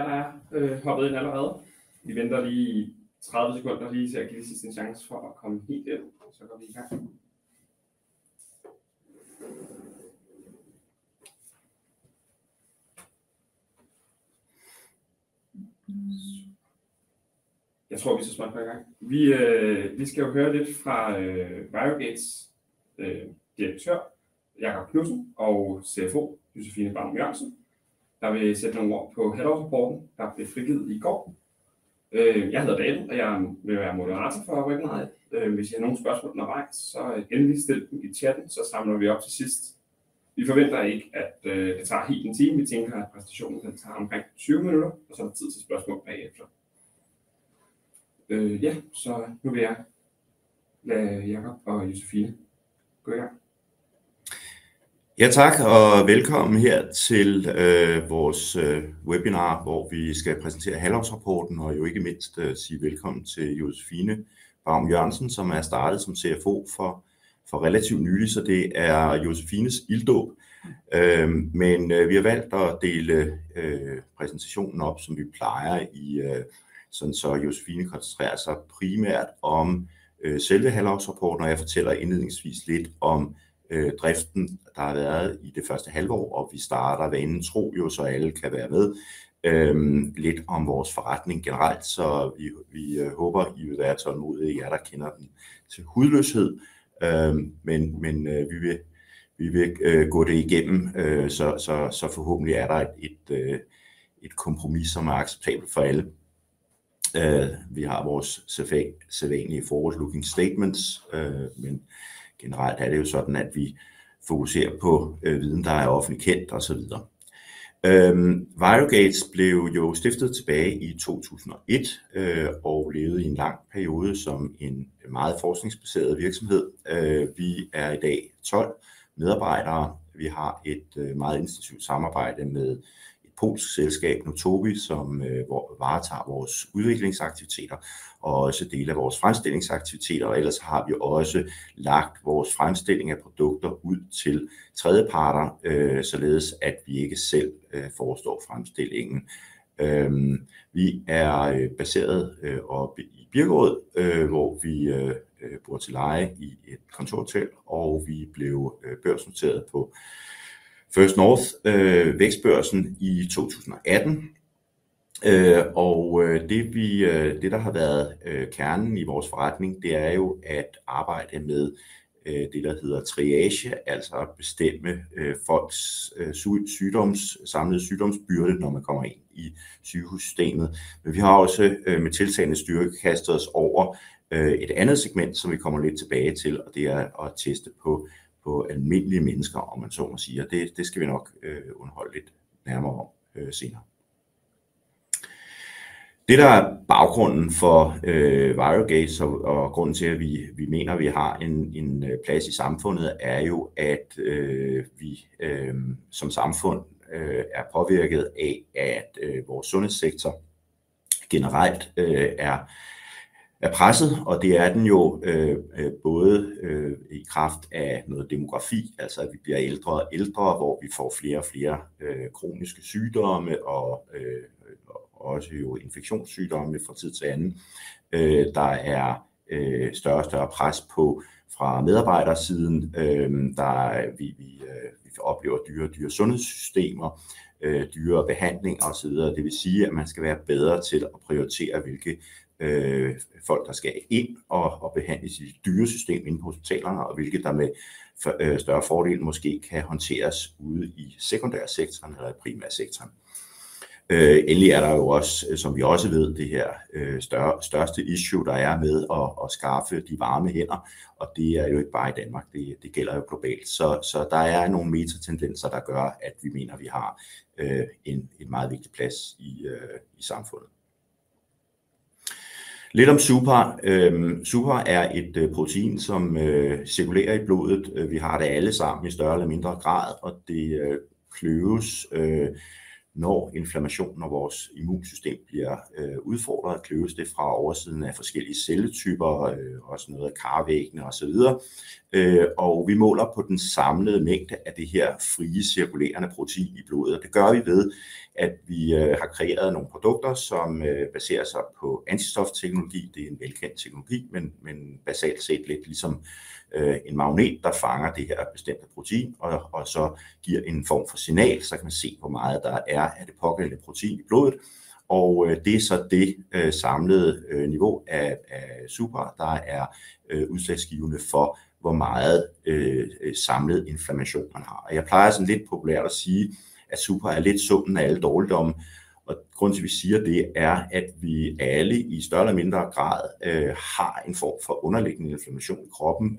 Alle jer, der er hoppet ind allerede, vi venter lige tredive sekunder, lige til at give de sidste en chance for at komme helt ind, så går vi i gang. Jeg tror, vi så småt går i gang. Vi skal jo høre lidt fra Bio Gates direktør Jacob Knudsen og CFO Josefine Baum Jørgensen, der vil sætte nogle ord på halvårsrapporten, der blev frigivet i går. Jeg hedder Daniel, og jeg vil være moderator for webinaret. Hvis I har nogle spørgsmål undervejs, så endelig stil dem i chatten, så samler vi op til sidst. Vi forventer ikke, at det tager helt en time. Vi tænker, at præsentationen tager omkring tyve minutter, og så er der tid til spørgsmål bagefter. Nu vil jeg lade Jacob og Josefine gå i gang. Ja tak, og velkommen her til vores webinar, hvor vi skal præsentere halvårsrapporten, og ikke mindst sige velkommen til Josefine Baum Jørgensen, som er startet som CFO for relativt nylig, så det er Josefines ilddåb. Vi har valgt at dele præsentationen op, som vi plejer, så Josefine koncentrerer sig primært om selve halvårsrapporten, og jeg fortæller indledningsvis lidt om driften. Der har været i det første halvår, og vi starter vanen tro, så alle kan være med. Lidt om vores forretning generelt, så vi håber, I vil være tålmodige, jer, der kender den til hudløshed. Vi vil gå det igennem, så forhåbentlig er der et kompromis, som er acceptabelt for alle. Vi har vores sædvanlige forårs looking statements, men generelt er det jo sådan, at vi fokuserer på viden, der er offentligt kendt og så videre. Vario Gates blev jo stiftet tilbage i 2001 og levede i en lang periode som en meget forskningsbaseret virksomhed. Vi er i dag 12 medarbejdere. Vi har et meget intensivt samarbejde med et polsk selskab, Nuto, som varetager vores udviklingsaktiviteter og også dele af vores fremstillingsaktiviteter. Ellers har vi også lagt vores fremstilling af produkter ud til tredjeparter, således at vi ikke selv forestår fremstillingen. Vi er baseret oppe i Birkerød, hvor vi bor til leje i et kontorhotel, og vi blev børsnoteret på First North Vækstbørsen i 2018. Det, der har været kernen i vores forretning, er jo at arbejde med det, der hedder triage, altså at bestemme folks samlede sygdomsbyrde, når man kommer ind i sygehussystemet. Men vi har også med tiltagende styrke kastet os over et andet segment, som vi kommer lidt tilbage til, og det er at teste på almindelige mennesker, om man så må sige. Det skal vi nok underholde lidt nærmere om senere. Det, der er baggrunden for Vario Gates og grunden til, at vi mener, vi har en plads i samfundet, er jo, at vi som samfund er påvirket af, at vores sundhedssektor generelt er presset. Og det er den jo både i kraft af noget demografi, altså at vi bliver ældre og ældre, hvor vi får flere og flere kroniske sygdomme og også infektionssygdomme fra tid til anden. Der er større og større pres på fra medarbejdersiden. Vi oplever dyrere og dyrere sundhedssystemer, dyrere behandlinger og så videre. Det vil sige, at man skal være bedre til at prioritere, hvilke folk der skal ind og behandles i de dyre systemer inde på hospitalerne, og hvilke der med større fordel måske kan håndteres ude i sekundærsektoren eller i primærsektoren. Endelig er der jo også, som vi også ved, det her største issue, der er med at skaffe de varme hænder. Det er jo ikke bare i Danmark. Det gælder jo globalt. Der er nogle metatendenser, der gør, at vi mener, vi har en meget vigtig plads i samfundet. Lidt om Supra. Supra er et protein, som cirkulerer i blodet. Vi har det alle sammen i større eller mindre grad, og det kløves, når inflammation og vores immunsystem bliver udfordret, kløves det fra oversiden af forskellige celletyper og også noget af karvæggen og så videre. Vi måler på den samlede mængde af det her frie cirkulerende protein i blodet. Det gør vi ved, at vi har kreeret nogle produkter, som baserer sig på antistofteknologi. Det er en velkendt teknologi, men basalt set lidt ligesom en magnet, der fanger det her bestemte protein og så giver en form for signal. Så kan man se, hvor meget der er af det pågældende protein i blodet, og det er så det samlede niveau af Supra, der er udslagsgivende for, hvor meget samlet inflammation man har. Jeg plejer sådan lidt populært at sige, at Supra er lidt summen af alle dårligdomme, og grunden til at vi siger det er, at vi alle i større eller mindre grad har en form for underliggende inflammation i kroppen.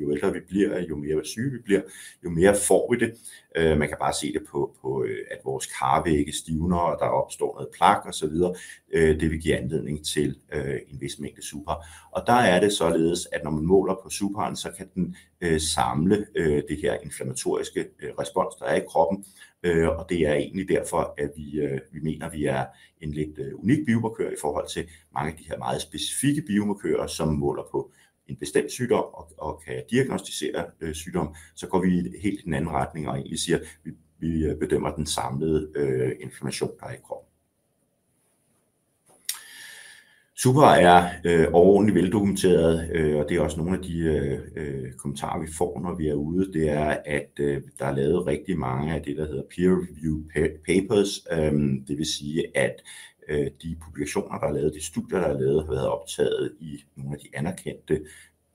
Jo ældre vi bliver, jo mere syge vi bliver, jo mere får vi det. Man kan bare se det på, at vores karvægge stivner, og der opstår noget plak og så videre. Det vil give anledning til en vis mængde Supra, og der er det således, at når man måler på Supra, så kan den samle det her inflammatoriske respons, der er i kroppen. Det er egentlig derfor, at vi mener, vi er en lidt unik biomarkør i forhold til mange af de her meget specifikke biomarkører, som måler på en bestemt sygdom og kan diagnosticere sygdomme. Så går vi helt den anden retning og egentlig siger, vi bedømmer den samlede inflammation, der er i kroppen. Supra er overordentligt veldokumenteret, og det er også nogle af de kommentarer, vi får, når vi er ude. Det er, at der er lavet rigtig mange af det, der hedder peer review papers. Det vil sige, at de publikationer, der er lavet, de studier, der er lavet, har været optaget i nogle af de anerkendte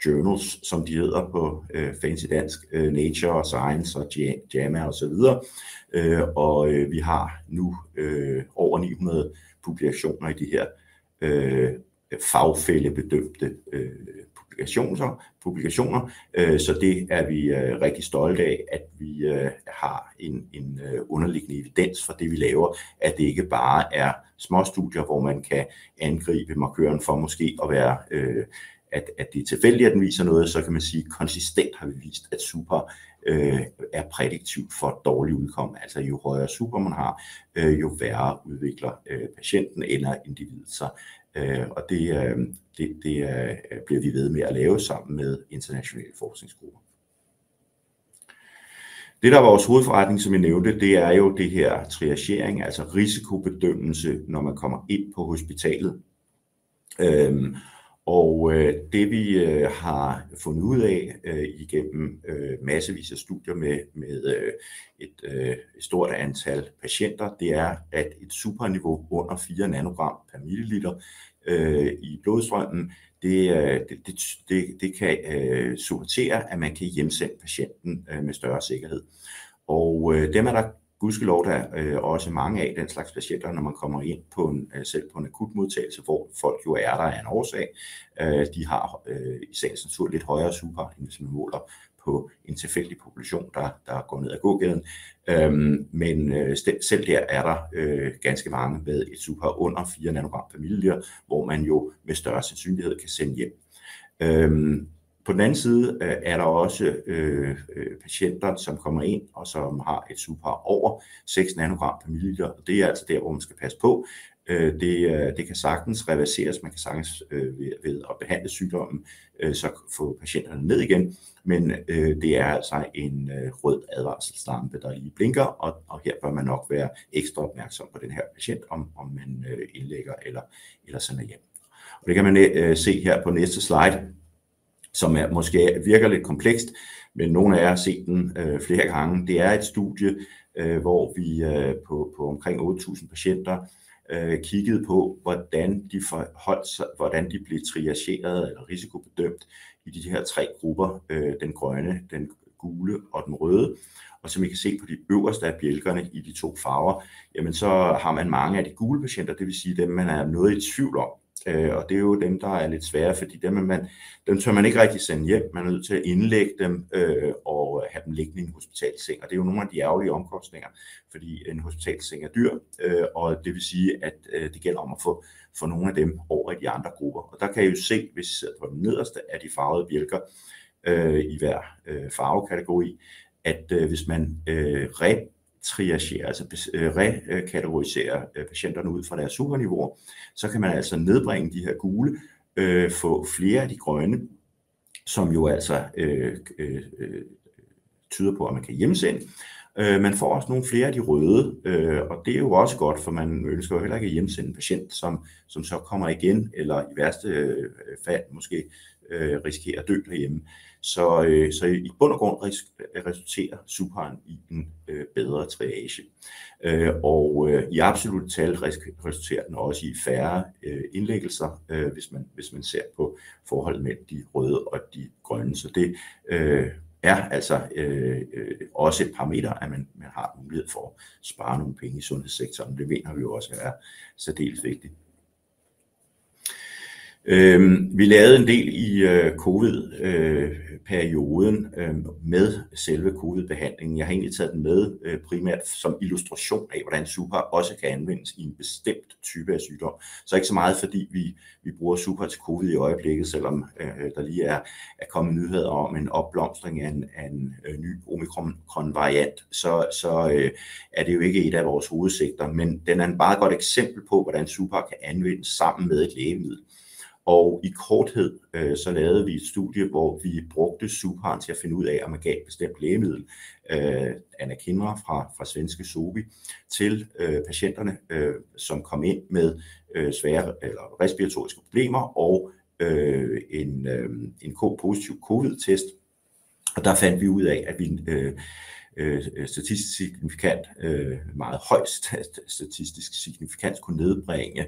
journals, som de hedder på fancy dansk, Nature og Science og JAMA og så videre. Vi har nu over 900 publikationer i de her fagfællebedømte publikationer. Så det er vi rigtig stolte af, at vi har en underliggende evidens for det, vi laver. At det ikke bare er små studier, hvor man kan angribe markøren for måske at være, at det er tilfældigt, at den viser noget. Konsistent har vi vist, at Super er prædiktivt for et dårligt udkomme. Jo højere Super man har, jo værre udvikler patienten eller individet sig, og det bliver vi ved med at lave sammen med internationale forskningsgrupper. Det, der er vores hovedforretning, som jeg nævnte, det er triagering, altså risikobedømmelse, når man kommer ind på hospitalet. Det vi har fundet ud af igennem massevis af studier med et stort antal patienter, det er, at et suPAR-niveau under 4 nanogram per milliliter i blodstrømmen kan sortere, at man kan hjemsende patienten med større sikkerhed, og dem er der gudskelov også mange af den slags patienter. Når man kommer ind på en akutmodtagelse, hvor folk er der af en årsag, har de i sagens natur lidt højere suPAR, end hvis man måler på en tilfældig population, der går ned ad gågaden. Men selv der er der ganske mange med et suPAR under 4 nanogram per milliliter, hvor man med større sandsynlighed kan sende hjem. På den anden side er der også patienter, som kommer ind, og som har et super over 6 nanogram per milliliter. Det er altså der, hvor man skal passe på. Det kan sagtens reverseres. Man kan sagtens ved at behandle sygdommen, så få patienterne ned igen, men det er altså en rød advarselslampe, der blinker, og her bør man nok være ekstra opmærksom på den her patient, om man indlægger eller sender hjem. Det kan man se her på næste slide, som måske virker lidt komplekst, men nogle af jer har set den flere gange. Det er et studie, hvor vi på omkring 8.000 patienter kiggede på, hvordan de forholdt sig, hvordan de blev triageret eller risikobaseret i de her tre grupper: den grønne, den gule og den røde. Som I kan se på de øverste bjælker i de to farver, har man mange af de gule patienter, det vil sige dem, man er noget i tvivl om. Det er dem, der er lidt svære, fordi dem tør man ikke rigtigt sende hjem. Man er nødt til at indlægge dem og have dem liggende i en hospitalsseng. Det er nogle af de årlige omkostninger, fordi en hospitalsseng er dyr, og det vil sige, at det gælder om at få nogle af dem over i de andre grupper. Hvis I sidder på den nederste af de farvede bjælker i hver farvekategori, kan I se, at hvis man re-triagerer, altså kategoriserer patienterne ud fra deres superniveauer, så kan man nedbringe de her gule og få flere af de grønne. Tyder på, at man kan hjemsende. Man får også nogle flere af de røde, og det er jo også godt, for man ønsker jo heller ikke at hjemsende en patient, som så kommer igen eller i værste fald måske risikerer at dø derhjemme. I bund og grund resulterer superen i en bedre triage, og i absolutte tal resulterer den også i færre indlæggelser, hvis man ser på forholdet mellem de røde og de grønne. Det er altså også et parameter, at man har mulighed for at spare nogle penge i sundhedssektoren. Det ved vi jo også er særdeles vigtigt. Vi lavede en del i covid-perioden med selve covid-behandlingen. Jeg har egentlig taget den med primært som illustration af, hvordan Super også kan anvendes i en bestemt type af sygdomme. Ikke så meget fordi vi bruger Super til covid i øjeblikket, selvom der lige er kommet nyheder om en opblomstring af en ny omikron-variant, så er det jo ikke et af vores hovedsægter. Den er et meget godt eksempel på, hvordan Super kan anvendes sammen med et lægemiddel. I korthed lavede vi et studie, hvor vi brugte Super til at finde ud af, om man gav et bestemt lægemiddel, Anna Kindler fra svenske Zovi, til patienterne, som kom ind med svære respiratoriske problemer og en positiv covid-test. Der fandt vi ud af, at vi statistisk signifikant – meget højt statistisk signifikant – kunne nedbringe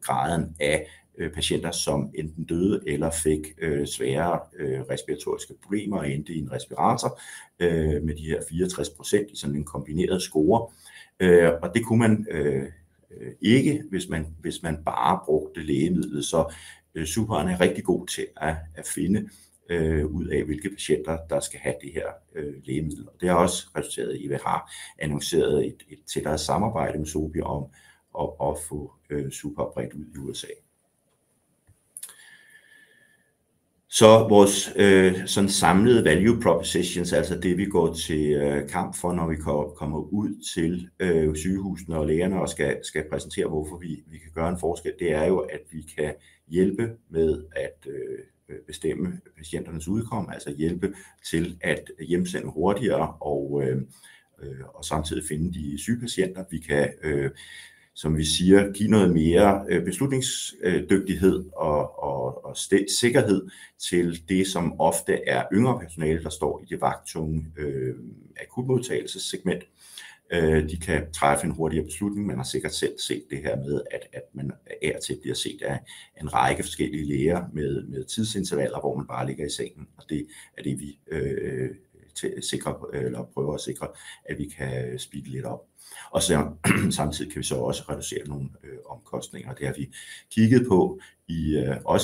graden af patienter, som enten døde eller fik svære respiratoriske problemer og endte i en respirator, med 64% i en kombineret score, og det kunne man ikke, hvis man bare brugte lægemidlet. Er rigtig god til at finde ud af, hvilke patienter der skal have det her lægemiddel, og det har også resulteret i, at vi har annonceret et tættere samarbejde med Zovi om at få super bragt ud i USA. Vores samlede value propositions, altså det vi går til kamp for, når vi kommer ud til sygehusene og lægerne og skal præsentere, hvorfor vi kan gøre en forskel. Det er jo, at vi kan hjælpe med at bestemme patienternes udkomme, altså hjælpe til at hjemsende hurtigere og samtidig finde de syge patienter. Vi kan, som vi siger, give noget mere beslutningsdygtighed og sikkerhed til det, som ofte er yngre personale, der står i det vagttunge akutmodtagelse segment. De kan træffe en hurtigere beslutning. Man har sikkert selv set det her med, at man af og til bliver set af en række forskellige læger med tidsintervaller, hvor man bare ligger i sengen. Det er det, vi sikrer, eller prøver at sikre, at vi kan speede lidt op. Samtidig kan vi også reducere nogle omkostninger, og det har vi kigget på i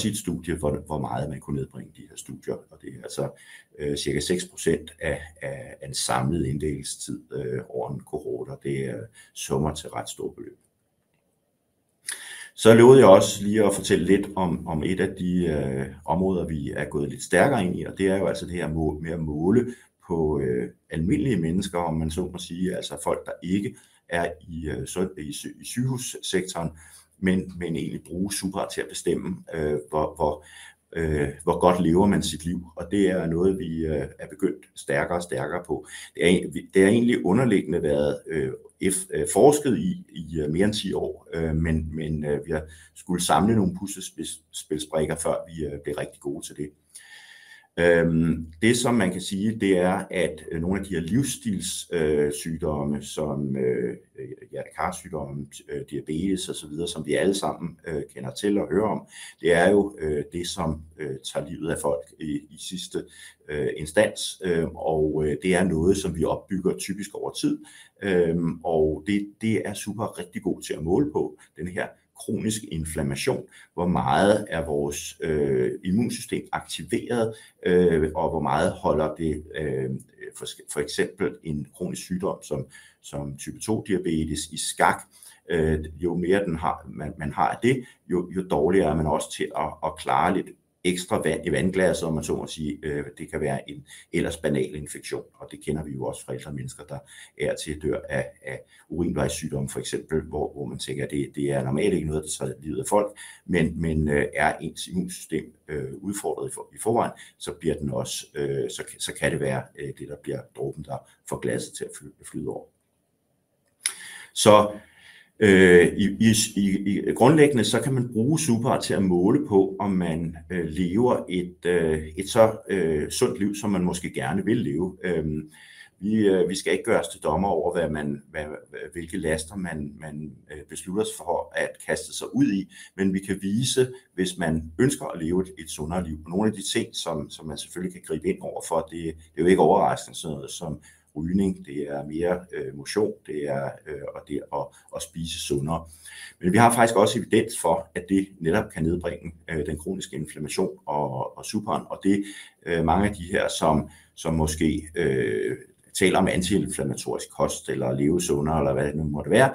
et studie, hvor meget man kunne nedbringe de her studier. Det er cirka 6% af den samlede indlæggelsestid over en kohorte, og det summer til ret store beløb. Jeg lovede også at fortælle lidt om et af de områder, vi er gået lidt stærkere ind i. Det er altså det her med at måle på almindelige mennesker, om man så må sige. Folk, der ikke er i sygehussektoren, bruger faktisk Supra til at bestemme, hvor godt man lever sit liv. Det er noget, vi er begyndt stærkere og stærkere på. Det har egentlig underliggende været forsket i i mere end 10 år, men vi har skullet samle nogle puslespilsbrikker, før vi blev rigtig gode til det. Det, som man kan sige, er, at nogle af de her livsstilssygdomme som hjerte-kar-sygdomme, diabetes og så videre, som vi alle sammen kender til og hører om, er det, som tager livet af folk i sidste instans. Det er noget, som vi opbygger typisk over tid, og det er super rigtig god til at måle på den her kroniske inflammation. Hvor meget er vores immunsystem aktiveret, og hvor meget holder det for eksempel en kronisk sygdom som type 2-diabetes i skak? Jo mere den har man har det jo, jo dårligere er man også til at klare lidt ekstra vand i vandglasset, om man så må sige. Det kan være en ellers banal infektion, og det kender vi jo også fra ældre mennesker, der af og til dør af urinvejsinfektion for eksempel, hvor man tænker, at det normalt ikke er noget, der tager livet af folk. Men er ens immunsystem udfordret i forvejen, så bliver den også det, der bliver dråben, der får glasset til at flyde over. Grundlæggende kan man bruge Supra til at måle på, om man lever et så sundt liv, som man måske gerne vil leve. Vi skal ikke gøre os til dommer over, hvilke laster man beslutter sig for at kaste sig ud i. Men vi kan vise, hvis man ønsker at leve et sundere liv, nogle af de ting, som man selvfølgelig kan gribe ind over for. Det er ikke overraskende sådan noget som rygning, mere motion og det at spise sundere. Men vi har faktisk også evidens for, at det netop kan nedbringe den kroniske inflammation og Supra, og det mange af de her, som måske taler om antiinflammatorisk kost eller at leve sundere, eller hvad det nu måtte være.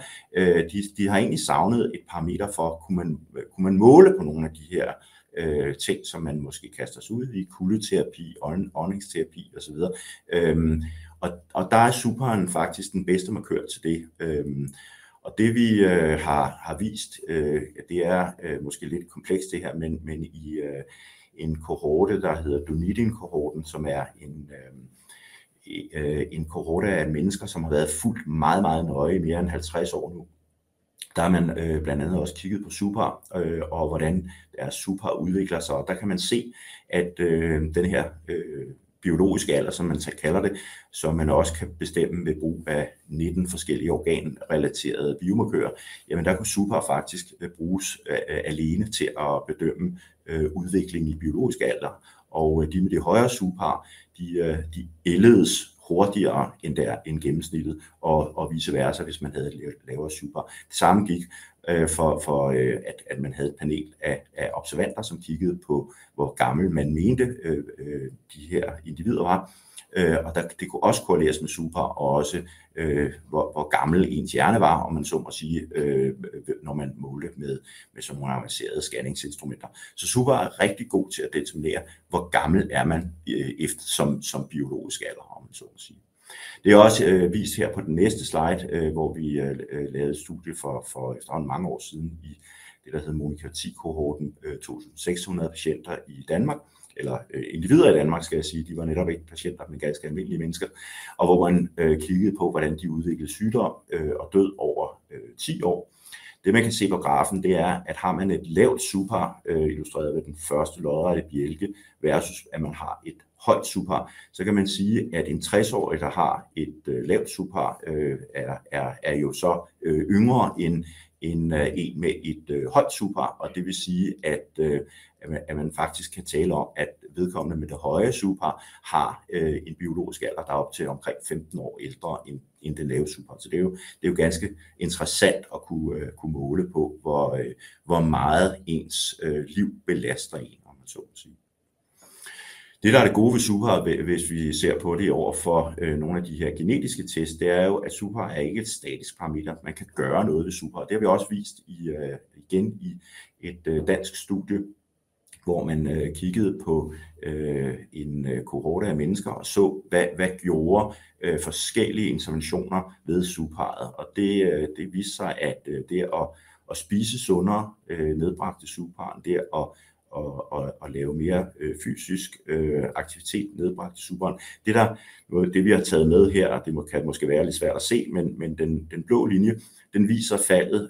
De har egentlig savnet et parameter for, om man kunne måle på nogle af de her ting, som man måske kaster sig ud i, som kuldeterapi og åndedrætsterapi og så videre. Og der er Supra faktisk den bedste markør til det. Det vi har vist, det er måske lidt komplekst, men i en kohorte, der hedder Dunedin-kohorten, som er en kohorte af mennesker, som har været fulgt meget nøje i mere end 50 år nu. Der har man blandt andet også kigget på Supra, og hvordan deres Supra udvikler sig, og der kan man se, at den her biologiske alder, som man kalder det, som man også kan bestemme ved brug af 19 forskellige organrelaterede biomarkører. Der kunne Supra faktisk bruges alene til at bedømme udviklingen i biologisk alder, og de med de højere Supra ældes hurtigere end gennemsnittet, og vice versa, hvis man havde et lavere Supra. Det samme gik for, at man havde et panel af observatører, som kiggede på, hvor gammel man mente de her individer var, og det kunne også korrelere med Supra. Og også hvor gammel ens hjerne var, om man så må sige. Når man målte med nogle avancerede scanningsinstrumenter, så er Supra rigtig god til at determinere, hvor gammel man er som biologisk alder, om man så må sige. Det er også vist her på den næste slide, hvor vi lavede et studie for mange år siden i det, der hed Monika 10-kohorten, 2.600 patienter i Danmark, eller individer i Danmark, skal jeg sige. De var netop ikke patienter, men ganske almindelige mennesker, og hvor man kiggede på, hvordan de udviklede sygdom og død over 10 år. Det, man kan se på grafen, er, at har man et lavt Supra, illustreret ved den første lodrette bjælke, versus at man har et højt Supra, så kan man sige, at en 60-årig, der har et lavt Supra, er yngre end en med et højt Supra. Det vil sige, at man faktisk kan tale om, at vedkommende med det høje Supra har en biologisk alder, der er op til omkring 15 år ældre end den lave Supra. Det er jo ganske interessant at kunne måle på, hvor meget ens liv belaster en, om man så må sige. Det, der er det gode ved SUPR, hvis vi ser på det i overfor nogle af de her genetiske test, det er jo, at SUPR er ikke et statisk parameter. Man kan gøre noget ved SUPR, og det har vi også vist i igen i et dansk studie, hvor man kiggede på en kohorte af mennesker og så, hvad forskellige interventioner gjorde ved SUPR. Det viste sig, at det at spise sundere nedbragte SUPR, og at lave mere fysisk aktivitet nedbragte SUPR. Det vi har taget med her, kan måske være lidt svært at se, men den blå linje viser faldet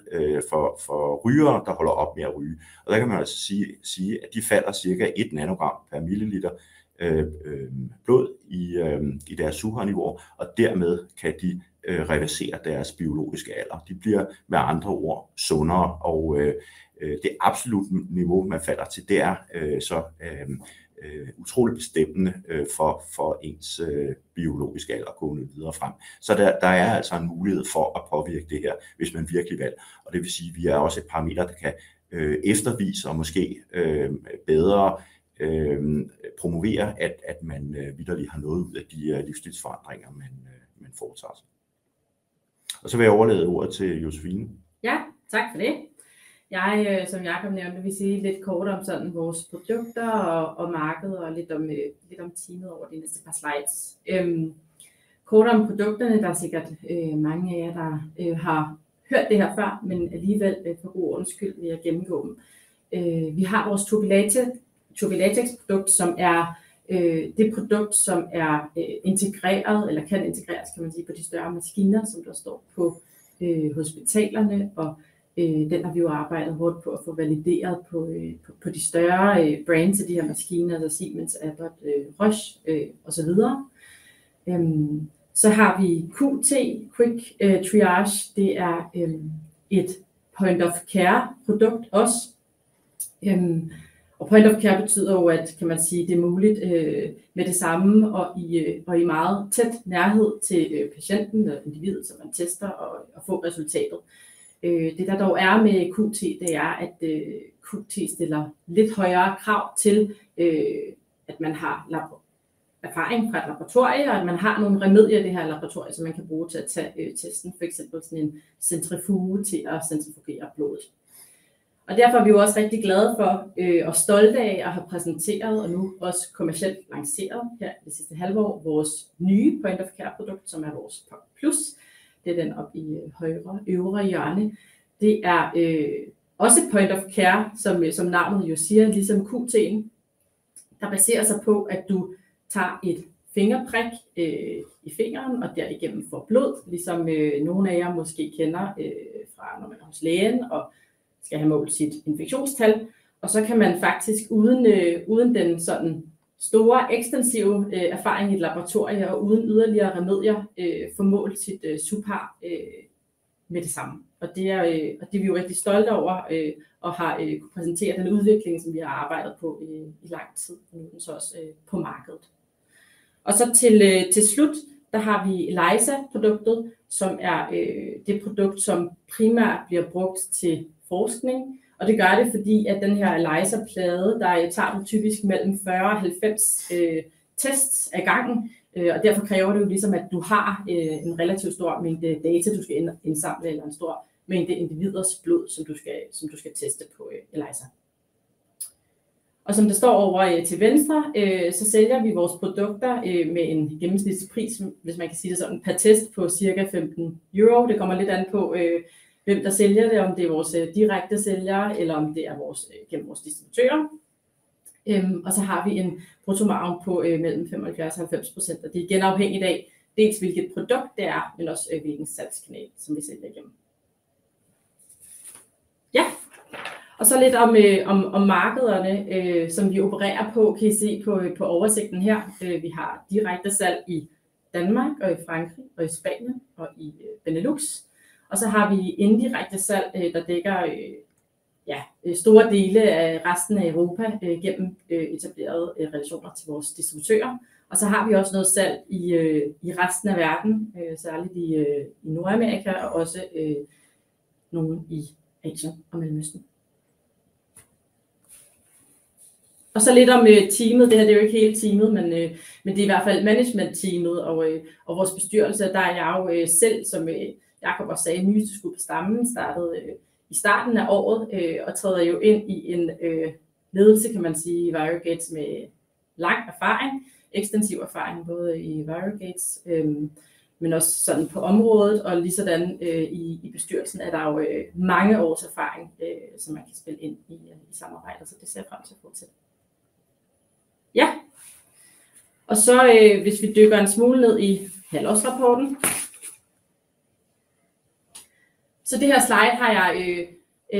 for rygere, der holder op med at ryge, og der kan man altså sige, at de falder cirka et nanogram per milliliter blod i deres sukkerniveauer, og dermed kan de reversere deres biologiske alder. De bliver med andre ord sundere, og det absolutte niveau, man falder til, det er så utroligt bestemmende for ens biologiske alder gående videre frem. Der er altså en mulighed for at påvirke det her, hvis man virkelig vil. Det vil sige, vi er også et parameter, der kan eftervise og måske bedre promovere, at man vitterlig har noget ud af de livsstilsforandringer, man foretager sig. Jeg vil overlade ordet til Josefine. Ja, tak for det. Som Jacob nævnte, vil jeg sige lidt kort om vores produkter og markedet og lidt om teamet over de næste par slides. Kort om produkterne: Der er sikkert mange af jer, der har hørt det her før, men alligevel for god ordens skyld vil jeg gennemgå dem. Vi har vores plate-to-latex produkt, som er det produkt, der er integreret, eller kan integreres, på de større maskiner, som der står på hospitalerne, og den har vi jo arbejdet hårdt på at få valideret på de større brands. De her maskiner er Siemens, Abbott, Roche og så videre. Så har vi QT Quick Triage. Det er også et point-of-care produkt. Point of care betyder jo, at det er muligt med det samme og i meget tæt nærhed til patienten eller individet, som man tester, at få resultatet. Det der dog er med QT, det er, at QT stiller lidt højere krav til, at man har erfaring fra et laboratorie, og at man har nogle remedier i det her laboratorie, som man kan bruge til at tage testen. For eksempel sådan en centrifuge til at centrifugere blodet. Derfor er vi jo også rigtig glade for og stolte af at have præsenteret og nu også kommercielt lanceret her det sidste halve år vores nye point of care produkt, som er vores plus. Det er den oppe i højre øvre hjørne. Det er også point of care, som navnet jo siger, ligesom QT, der baserer sig på, at du tager et fingerprik i fingeren og derigennem får blod. Ligesom nogle af jer måske kender fra, når man er hos lægen og skal have målt sit infektionstal. Og så kan man faktisk uden den store ekstensive erfaring i et laboratorie og uden yderligere remedier få målt sit SUPR med det samme. Det er det, vi er rigtig stolte over og har kunne præsentere den udvikling, som vi har arbejdet på i lang tid og nu også på markedet. Til slut har vi Lisa-produktet, som er det produkt, som primært bliver brugt til forskning. Det gør det, fordi den her ELISA-plade typisk tager mellem 40 og 90 tests ad gangen, og derfor kræver det, at du har en relativt stor mængde data, du skal indsamle, eller en stor mængde individers blod, som du skal teste på. Som det står ovre til venstre, sælger vi vores produkter med en gennemsnitspris per test på cirka €15. Det kommer lidt an på, hvem der sælger det, om det er vores direkte sælgere, eller om det er gennem vores distributører. Vi har en bruttomarge på mellem 75% og 90%, og det er igen afhængigt af dels hvilket produkt det er, men også hvilken salgskanal vi sælger igennem. Lidt om de markeder, vi opererer på, kan I se på oversigten her. Vi har direkte salg i Danmark, i Frankrig, i Spanien og i Benelux, og så har vi indirekte salg, der dækker store dele af resten af Europa gennem etablerede relationer til vores distributører. Vi har også noget salg i resten af verden, særligt i Nordamerika og også nogle i Asien og Mellemøsten. Lidt om teamet. Det her er ikke hele teamet, men det er i hvert fald management-teamet og vores bestyrelse. Der er jeg selv, som Jacob også sagde, nyeste skud på stammen, startede i starten af året og træder ind i en ledelse med lang erfaring, ekstensiv erfaring både i vores gates, men også på området. Og ligesådan i bestyrelsen er der jo mange års erfaring, som man kan spille ind i samarbejdet, så det ser jeg frem til at fortsætte. Hvis vi dykker en smule ned i halvårsrapporten, så det her slide har jeg – der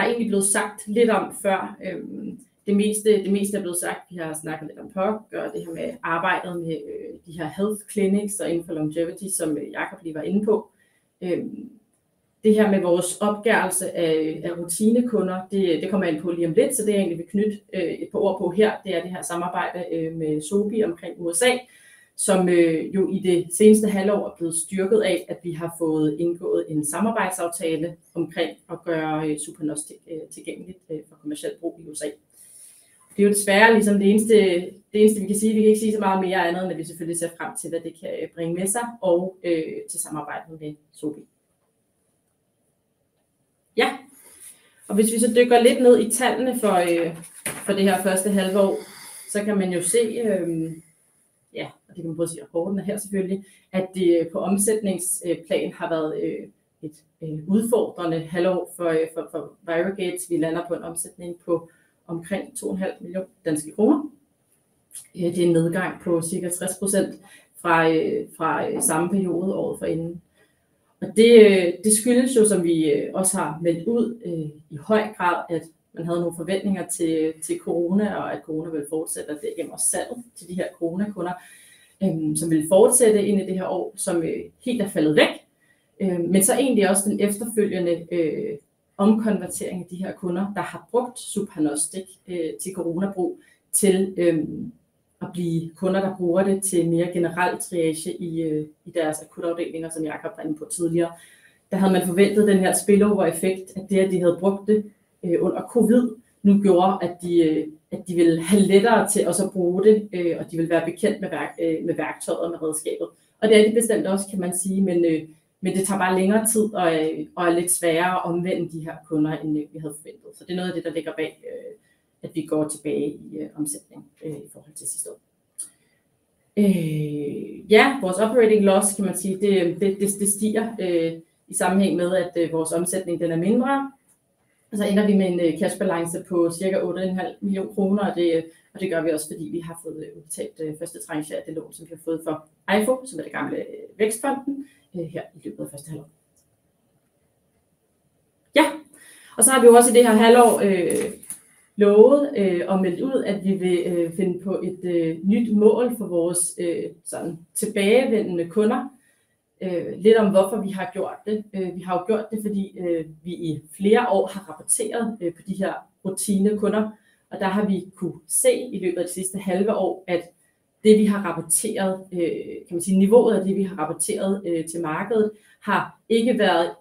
er egentlig blevet sagt lidt om før. Det meste er blevet sagt. Vi har snakket lidt om pop og det her med arbejdet med de her health clinics og inden for longevity, som Jacob lige var inde på. Det her med vores opgørelse af rutinekunder kommer jeg ind på lige om lidt. Det jeg egentlig vil knytte et par ord på her, det er det her samarbejde med Sobi omkring USA, som jo i det seneste halve år er blevet styrket af, at vi har fået indgået en samarbejdsaftale omkring at gøre super tilgængeligt for kommercielt brug i USA. Det er desværre ligesom det eneste, vi kan sige. Vi kan ikke sige så meget mere, andet end at vi selvfølgelig ser frem til, hvad det kan bringe med sig og til samarbejdet med Zoe. Hvis vi så dykker lidt ned i tallene for det første halve år, kan man se — både i rapporterne her — at det på omsætningsplan har været et udfordrende halvår for virket. Vi lander på en omsætning på omkring DKK 2,5 millioner. Det er en nedgang på cirka 60% fra samme periode året forinden. Det skyldes, som vi også har meldt ud i høj grad, at man havde nogle forventninger til Corona, og at Corona ville fortsætte og dermed også salget til de her Corona-kunder, som ville fortsætte ind i det her år, som helt er faldet væk. Men så egentlig også den efterfølgende omkonvertering af de her kunder, der har brugt det super nostalgisk til Corona-brug, til at blive kunder, der bruger det til mere generel triage i deres akutafdelinger, som Jacob var inde på tidligere. Der havde man forventet den her spillover-effekt, at det, at de havde brugt det under covid, nu gjorde, at de ville have lettere ved at bruge det, og de ville være bekendt med værktøjet og med redskabet. Det er det bestemt også, kan man sige. Det tager bare længere tid og er lidt sværere at omvende de her kunder, end vi havde forventet. Det er noget af det, der ligger bag, at vi går tilbage i omsætning i forhold til sidste år. Vores operating loss kan man sige stiger i sammenhæng med, at vores omsætning er mindre. Vi ender med en cash balance på cirka DKK 8,5 millioner. Det gør vi også, fordi vi har fået udbetalt første tranche af det lån, som vi har fået fra EIF, som er det gamle Vækstfonden, her i løbet af første halvår. I det her halvår har vi også lovet at melde ud, at vi vil finde på et nyt mål for vores tilbagevendende kunder. Lidt om, hvorfor vi har gjort det. Vi har gjort det, fordi vi i flere år har rapporteret på de her rutinekunder, og der har vi kunnet se i løbet af det sidste halve år, at det, vi har rapporteret, kan man sige, niveauet af det, vi har rapporteret til markedet, ikke har været –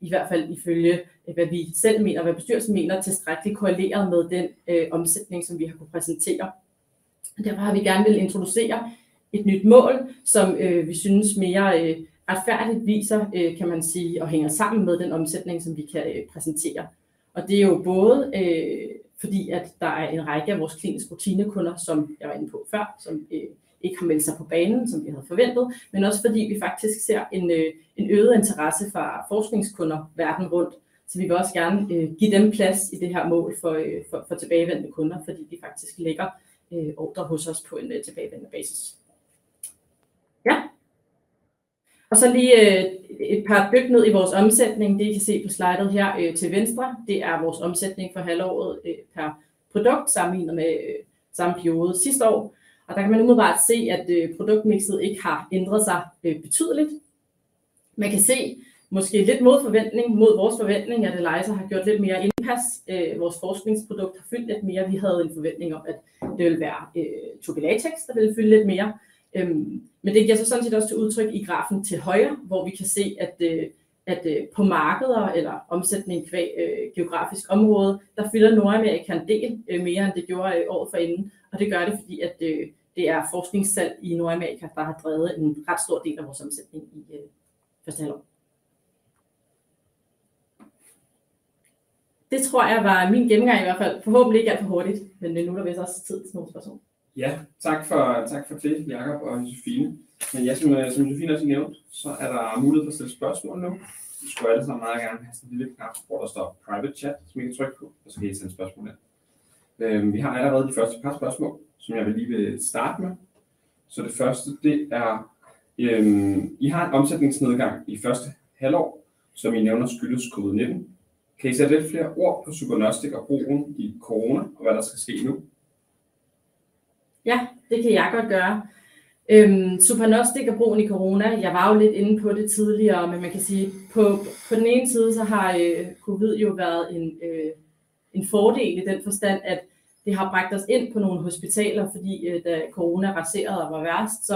i hvert fald ifølge hvad vi selv mener, hvad bestyrelsen mener – tilstrækkeligt korreleret med den omsætning, som vi har kunnet præsentere. Derfor har vi gerne villet introducere et nyt mål, som vi synes mere retfærdigt viser, kan man sige, og hænger sammen med den omsætning, som vi kan præsentere. Det er både fordi, at der er en række af vores kliniske rutinekunder, som jeg var inde på før, som ikke har meldt sig på banen, som vi havde forventet, men også fordi vi faktisk ser en øget interesse fra forskningskunder verden rundt. Vi vil også gerne give dem plads i det her mål for tilbagevendende kunder, fordi de faktisk lægger ordrer hos os på en tilbagevendende basis. Et par dyk ned i vores omsætning: Det I kan se på slidet her til venstre, er vores omsætning for halvåret pr. produkt sammenlignet med samme periode sidste år, og der kan man umiddelbart se, at produktmikset ikke har ændret sig betydeligt. Man kan se, måske lidt mod forventning – mod vores forventning – at Eliza har gjort lidt mere indpas. Vores forskningsprodukt har fyldt lidt mere. Vi havde en forventning om, at det ville være latex, der ville fylde lidt mere, men det giver sig sådan set også til udtryk i grafen til højre, hvor vi kan se, at på markeder eller omsætning qua geografisk område, der fylder Nordamerika en del mere, end det gjorde året forinden. Det gør det, fordi det er forskningssalg i Nordamerika, der har drevet en ret stor del af vores omsætning i første halvår. Det tror jeg var min gennemgang. Forhåbentlig ikke alt for hurtigt. Nu er der vist også tid til nogle spørgsmål. Ja, tak for det, Jacob og Josefine. Som Josefine også nævnte, er der mulighed for at stille spørgsmål nu. I skulle alle sammen meget gerne have den lille knap, hvor der står "private chat", som I kan trykke på, og så kan I sende spørgsmål ind. Vi har allerede de første par spørgsmål, som jeg lige vil starte med. Det første er: I har en omsætningsnedgang i første halvår, som I nævner skyldes Covid-19. Kan I sætte lidt flere ord på det nostalgiske og brugen i Corona, og hvad der skal ske nu? På den ene side har covid jo været en fordel i den forstand, at det har bragt os ind på nogle hospitaler, fordi da Corona raserede og var værst,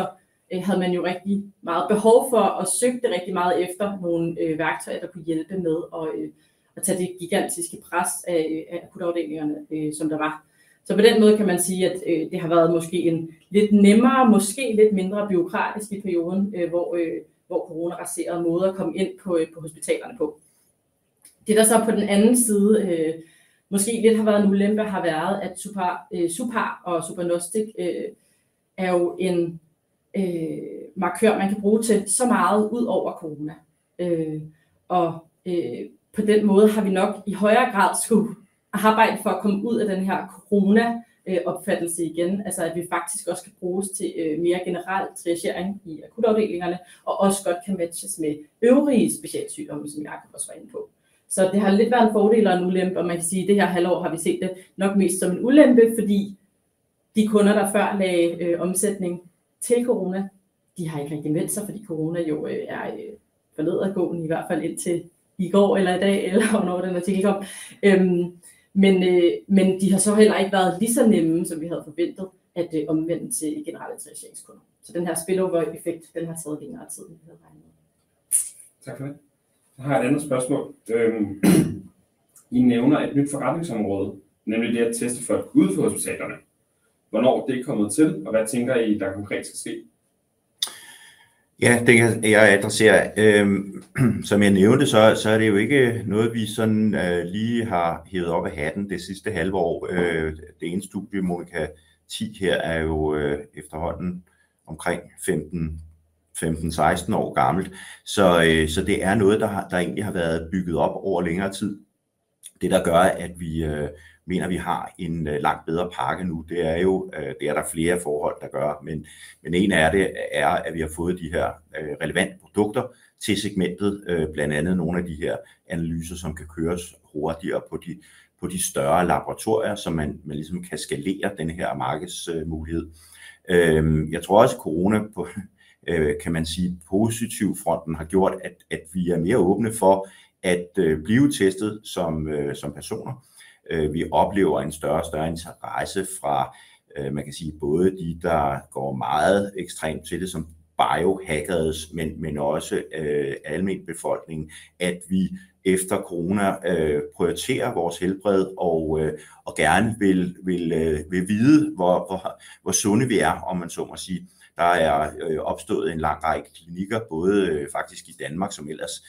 havde man jo rigtig meget behov for at søge rigtig meget efter nogle værktøjer, der kunne hjælpe med at tage det gigantiske pres af akutafdelingerne, som der var. På den måde kan man sige, at det har været måske en lidt nemmere, måske lidt mindre bureaukratisk i perioden, hvor Corona raserede, måde at komme ind på hospitalerne på. Det, der så på den anden side måske lidt har været en ulempe, har været, at SuperGnostik er jo en markør, man kan bruge til så meget ud over Corona, og på den måde har vi nok i højere grad skulle arbejde for at komme ud af den her coronaopfattelse igen. Altså at vi faktisk også kan bruges til mere generel triagering i akutafdelingerne og også godt kan matches med øvrige specialsygdomme, som Jacob også var inde på. Så det har lidt været en fordel og en ulempe, og man kan sige, at det her halvår har vi set det nok mest som en ulempe, fordi de kunder, der før lagde omsætning til Corona, de har ikke længere gemmer sig, fordi Corona jo er for nedadgående. I hvert fald indtil i går eller i dag, eller hvornår den artikel kom. De har så heller ikke været lige så nemme, som vi havde forventet, at omvende til generelle træningskunder, så den her spillover-effekt har taget længere tid. Tak for det. Jeg har et andet spørgsmål. I nævner et nyt forretningsområde, nemlig det at teste folk uden for hospitalerne. Hvornår er det kommet til, og hvad tænker I, der konkret skal ske? Ja, det kan jeg adressere. Som jeg nævnte, er det jo ikke noget, vi sådan lige har hevet op af hatten det sidste halve år. Det ene studie, Monika 10, er jo efterhånden omkring 15, 16 år gammelt, så det er noget, der egentlig har været bygget op over længere tid. Det, der gør, at vi mener, vi har en langt bedre pakke nu, er der flere forhold, der gør. Men én af dem er, at vi har fået de her relevante produkter til segmentet. Blandt andet nogle af de her analyser, som kan køres hurtigere på de større laboratorier, så man ligesom kan skalere denne her markedsmulighed. Jeg tror også, at Corona på den positive front har gjort, at vi er mere åbne for at blive testet som personer. Vi oplever en større og større interesse fra – man kan sige både de, der går meget ekstremt til det, som biohackere, men også almenbefolkningen – at vi efter Corona prioriterer vores helbred og gerne vil vide, hvor sunde vi er, om man så må sige. Der er opstået en lang række klinikker, både faktisk i Danmark, som ellers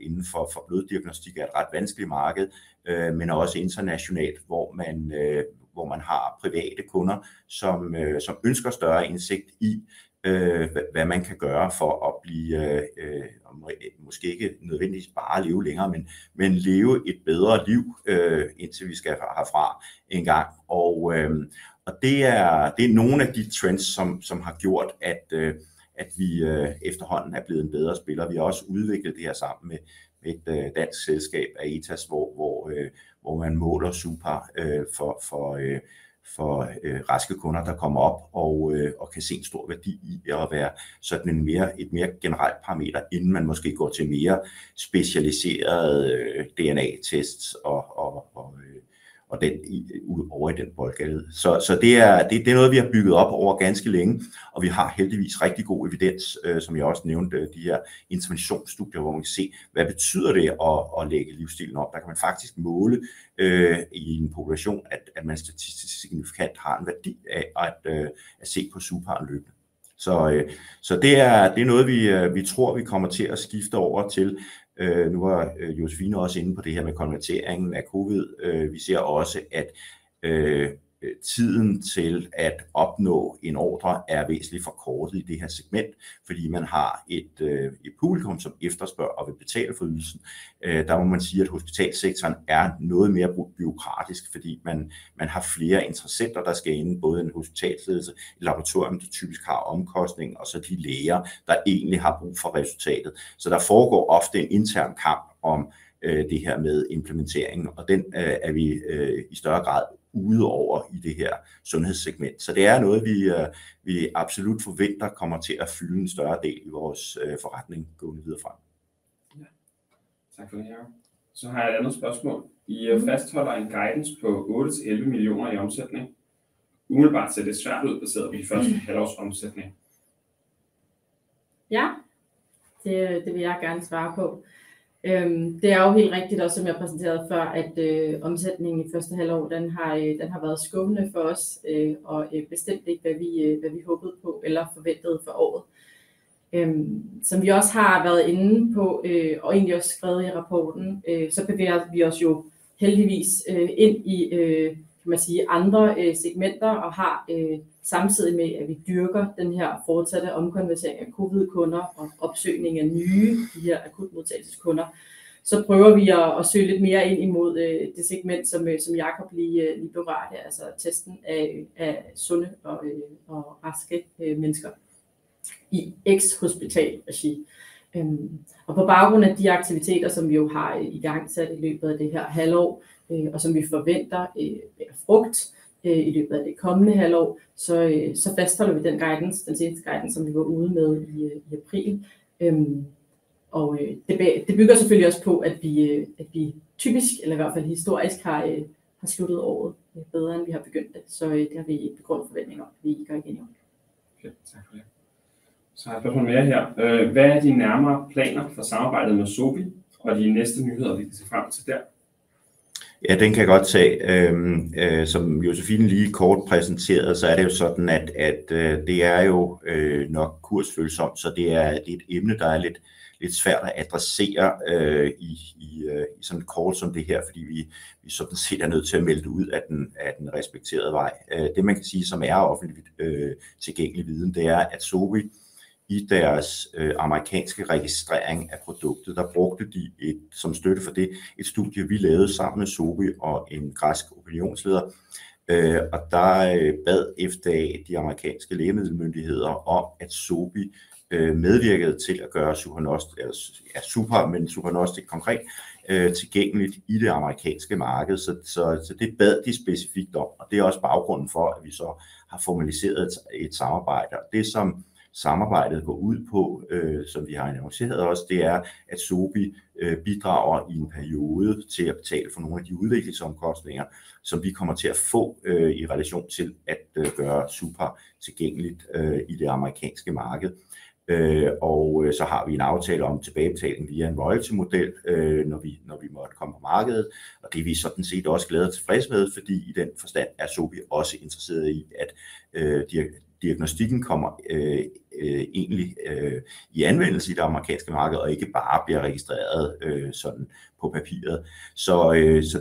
inden for bloddiagnostik er et ret vanskeligt marked, men også internationalt, hvor man har private kunder, som ønsker større indsigt i, hvad man kan gøre for at blive – måske ikke nødvendigvis bare leve længere, men leve et bedre liv, indtil vi skal herfra engang. Det er nogle af de trends, som har gjort, at vi efterhånden er blevet en bedre spiller. Vi har også udviklet det her sammen med et dansk selskab, Aetas, hvor man måler super for raske kunder, der kommer op og kan se en stor værdi i at være sådan en mere generel parameter, inden man måske går til mere specialiserede DNA-tests og den boldgade. Det er noget, vi har bygget op over ganske længe, og vi har heldigvis rigtig god evidens. Som jeg også nævnte, de her interventionsstudier, hvor man kan se, hvad betyder det at lægge livsstilen om? Der kan man faktisk måle i en population, at man statistisk signifikant har en værdi af at se på super løb. Det er noget, vi tror, vi kommer til at skifte over til. Nu var Josefine også inde på det her med konverteringen af covid. Vi ser også, at tiden til at opnå en ordre er væsentligt forkortet i det her segment, fordi man har et publikum, som efterspørger og vil betale for ydelsen. Der må man sige, at hospitalssektoren er noget mere bureaukratisk, fordi man har flere interessenter, der skal ind. Både en hospitalsledelse, et laboratorium, der typisk har omkostningen, og så de læger, der egentlig har brug for resultatet. Så der foregår ofte en intern kamp om det her med implementeringen, og den er vi i større grad ude over i det her sundhedssegment. Så det er noget, vi absolut forventer kommer til at fylde en større del i vores forretning gående videre frem. Ja, tak for det, Jacob. Så har jeg et andet spørgsmål. I fastholder en guidance på DKK 8-11 millioner i omsætning. Umiddelbart ser det svært ud baseret på de første halvårs omsætning. Ja, det vil jeg gerne svare på. Det er jo helt rigtigt, og som jeg præsenterede før, at omsætningen i første halvår har været skuffende for os og bestemt ikke, hvad vi håbede på eller forventede for året. Som vi også har været inde på og egentlig også skrevet i rapporten, så bevæger vi os jo heldigvis ind i, kan man sige, andre segmenter. Samtidig med at vi dyrker den her fortsatte omkonvertering af covid-kunder og opsøgning af nye akutmodtagelses-kunder, så prøver vi at søge lidt mere ind imod det segment, som Jacob lige berørte. Altså testen af sunde og raske mennesker i X hospitalsregi og på baggrund af de aktiviteter, som vi jo har igangsat i løbet af det her halvår, og som vi forventer bærer frugt i løbet af det kommende halvår, så fastholder vi den guidance. Den seneste guidance, som vi var ude med i april, og det bygger selvfølgelig også på, at vi typisk eller i hvert fald historisk har sluttet året bedre, end vi har begyndt det. Så det har vi gode forventninger om, at vi ikke gør igen i år. Tak for det. Hvad er de nærmere planer for samarbejdet med Zobel, og hvilke nyheder kan vi se frem til der? Den kan jeg godt tage. Som Josefine lige kort præsenterede, så er det sådan, at det er nok kursfølsomt. Det er et emne, der er lidt svært at adressere i sådan et kort som det her, fordi vi sådan set er nødt til at melde det ud ad den respekterede vej. Det man kan sige, som er offentligt tilgængelig viden, det er, at Zobel i deres amerikanske registrering af produktet brugte et studie som støtte for det. Et studie vi lavede sammen med Zubi og en græsk opinionsleder, og der bad FDA, de amerikanske lægemiddelmyndigheder, om at Zubi medvirkede til at gøre det hele super. Men konkret tilgængeligt i det amerikanske marked, så det bad de specifikt om, og det er også baggrunden for, at vi så har formaliseret et samarbejde, og det, som samarbejdet går ud på, som vi har annonceret. Det er, at Zubi bidrager i en periode til at betale for nogle af de udviklingsomkostninger, som vi kommer til at få i relation til at gøre Zupa tilgængeligt i det amerikanske marked. Og så har vi en aftale om tilbagebetaling via en royalty-model. Når vi måtte komme på markedet, og det er vi sådan set også glade og tilfredse med, fordi i den forstand er Zubi også interesseret i, at diagnostikken kommer egentlig i anvendelse i det amerikanske marked og ikke bare bliver registreret sådan på papiret.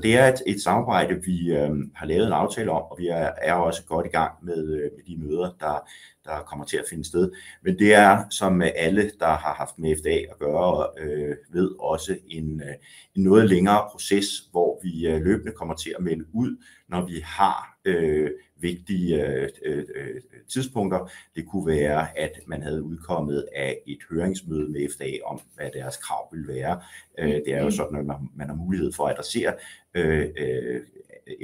Det er et samarbejde, vi har lavet en aftale om, og vi er også godt i gang med de møder, der kommer til at finde sted. Det er som med alle, der har haft med FDA at gøre, og ved også en noget længere proces, hvor vi løbende kommer til at melde ud, når vi har vigtige tidspunkter. Det kunne være, at man havde udkommet af et høringsmøde med FDA om, hvad deres krav ville være. Det er sådan, at man har mulighed for at adressere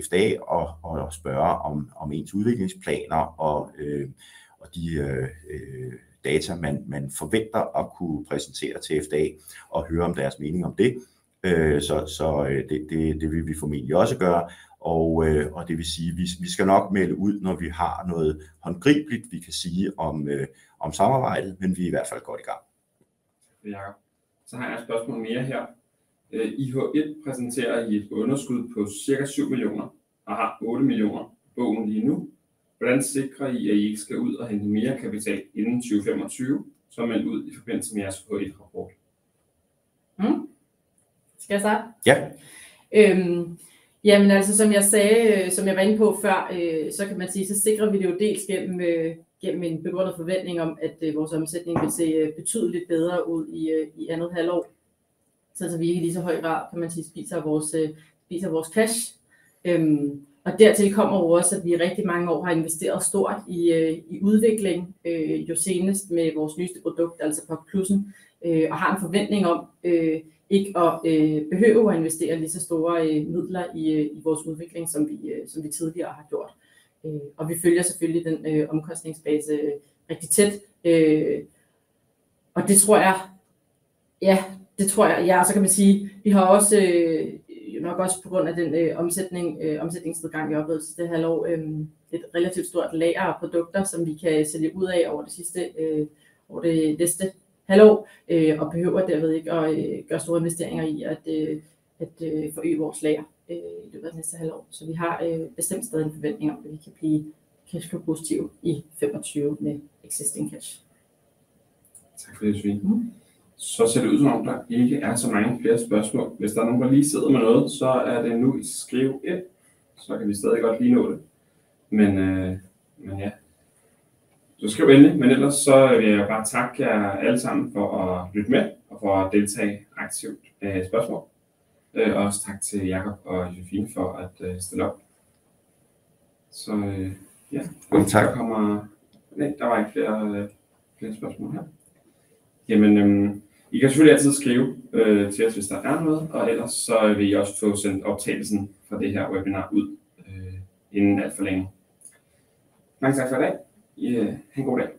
FDA og spørge om ens udviklingsplaner og de data, man forventer at kunne præsentere til FDA og høre om deres mening om det. Det vil vi formentlig også gøre, og det vil sige, vi skal nok melde ud, når vi har noget håndgribeligt, vi kan sige om samarbejdet. Men vi er i hvert fald godt i gang. Jakob: Jeg har et spørgsmål mere her. I H1 præsenterer I et underskud på cirka DKK 7 millioner og har DKK 8 millioner på bogen lige nu. Hvordan sikrer I, at I ikke skal ud og hente mere kapital inden 2025, som I meldte ud i forbindelse med jeres Q1-rapport? Skal jeg starte? Ja. Som jeg sagde, som jeg var inde på før, så kan man sige, at vi sikrer det dels gennem en begrundet forventning om, at vores omsætning vil se betydeligt bedre ud i andet halvår, så vi ikke i lige så høj grad spiser vores cash. Dertil kommer også, at vi i rigtig mange år har investeret stort i udvikling, senest med vores nyeste produkt, altså plus, og har en forventning om ikke at behøve at investere lige så store midler i vores udvikling, som vi tidligere har gjort. Vi følger selvfølgelig den omkostningsbase rigtig tæt. Vi har også nok på grund af den omsætningsnedgang i første halvår. Et relativt stort lager af produkter, som vi kan sælge ud af over det sidste år. Det næste halvår behøver vi dermed ikke at gøre store investeringer i at forøge vores lager i løbet af det næste halvår. Vi har bestemt stadig en forventning om, at vi kan blive positive i 2025 med existing cash. Tak, det er fint. Der ser det ud som om, der ikke er så mange flere spørgsmål. Hvis der er nogen, der lige sidder med noget, så er det nu. Skriv ind, så kan vi stadig godt lige nå det. Skriv endelig. Ellers vil jeg bare takke jer alle sammen for at lytte med og for at deltage aktivt med spørgsmål. Også tak til Jacob og Josefine for at stille op. Tak! Der var ikke flere spørgsmål her. I kan selvfølgelig altid skrive til os, hvis der er noget. Ellers vil I også få sendt optagelsen fra det her webinar ud inden alt for længe. Mange tak for i dag. Ha en god dag!